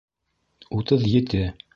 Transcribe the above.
Утыҙ ете